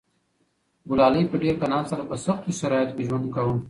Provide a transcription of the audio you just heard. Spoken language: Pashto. ګلالۍ په ډېر قناعت سره په سختو شرایطو کې ژوند کاوه.